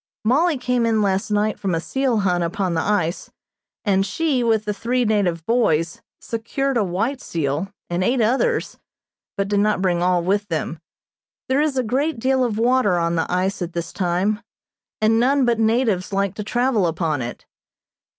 Mollie came in last night from a seal hunt upon the ice, and she, with the three native boys, secured a white seal, and eight others, but did not bring all with them. There is a great deal of water on the ice at this time, and none but natives like to travel upon it.